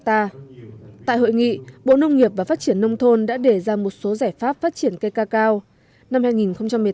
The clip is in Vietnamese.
tại hội nghị bộ nông nghiệp và phát triển nông thôn đã để ra một số giải pháp phát triển cây ca cao